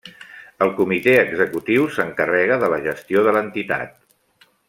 El comitè executiu s'encarrega de la gestió de l'entitat.